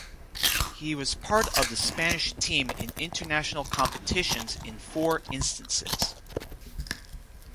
He was part of the Spanish team in international competitions in four instances.